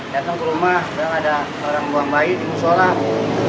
datang ke rumah ada orang buang bayi di musolah